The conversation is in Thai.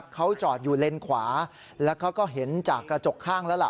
เขาจอดอยู่เลนขวาแล้วเขาก็เห็นจากกระจกข้างแล้วล่ะ